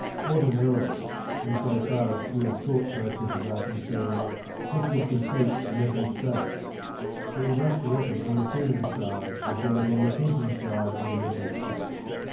Ordinarily, and so far as pure thought processes are concerned, this would complete the mental state. But we must reckon on the feeling side as well as on the thinking side of the mental state.